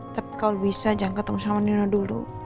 tapi kalau bisa jangan ketemu sama nino dulu